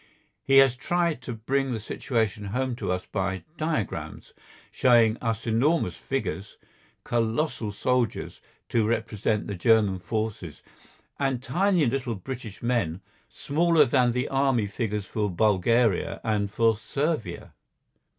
He has tried to bring the situation home to us by diagrams, showing us enormous figures, colossal soldiers to represent the German forces and tiny little British men, smaller than the army figures for Bulgaria and for Servia.